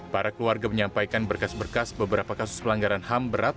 para keluarga menyampaikan berkas berkas beberapa kasus pelanggaran ham berat